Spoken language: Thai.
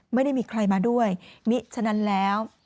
ไม่ได้มีใครมาด้วยมิฉะนั้นแล้ว